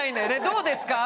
「どうですか？」